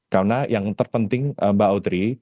karena yang terpenting mbak autri